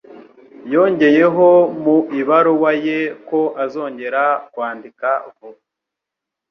Yongeyeho mu ibaruwa ye ko azongera kwandika vuba.